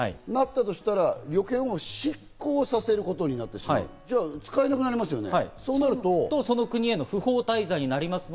そしたら旅券を失効させることになってしまう、使えなくなりますね。